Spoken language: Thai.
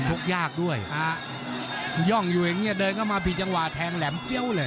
ยากด้วยย่องอยู่อย่างเงี้เดินเข้ามาผิดจังหวะแทงแหลมเฟี้ยวเลย